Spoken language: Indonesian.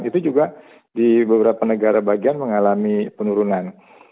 itu juga di beberapa negara bagian mengalami penurunan